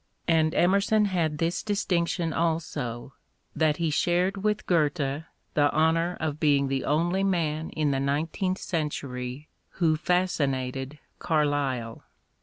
And Emerson had this distinction also, that he shared with Goethe the honour of being the only man in the nineteenth century who fascinated Carlyle.